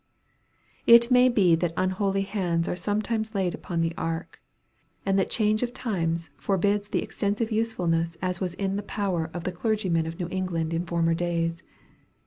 It may be that unholy hands are sometimes laid upon the ark, and that change of times forbids such extensive usefulness as was in the power of the clergymen of New England in former days.